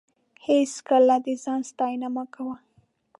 هېڅکله د ځان ستاینه مه کوه.